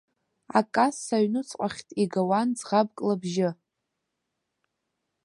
Акасса аҩнуҵҟахьтә игауан ӡӷабк лыбжьы.